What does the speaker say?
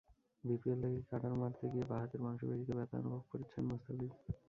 BPL থেকেই cutter মারতে গিয়ে বাঁ হাতের মাংসপেশিতে ব্যথা অনুভব করছেন মুস্তাফিজ।